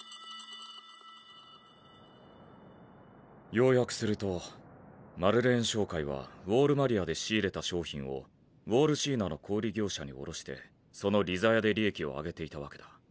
要約するとマルレーン商会はウォール・マリアで仕入れた商品をウォール・シーナの小売業者に卸してその利ざやで利益を上げていたわけだ。